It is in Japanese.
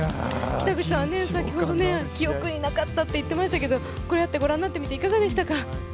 北口さんは先ほど記憶になかったっておっしゃっていましたがこうやってご覧になってみて、いかがでしたか？